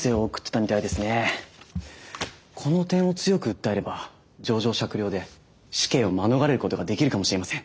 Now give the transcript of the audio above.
この点を強く訴えれば情状酌量で死刑を免れることができるかもしれません。